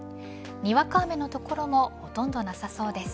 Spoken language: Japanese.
にわか雨の所もほとんどなさそうです。